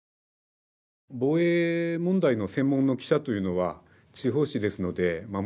防衛問題の専門の記者というのは地方紙ですのでもちろんいません。